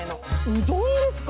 うどんですか？